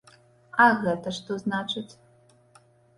А гэта што значыць?